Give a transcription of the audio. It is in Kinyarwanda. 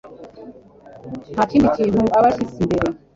nta kindi kintu aba ashyize imbere